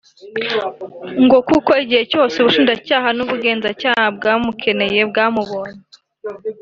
ngo kuko igihe cyose ubushinjacyaha n’ubugenzacyaha bwamukeneye bwamubonye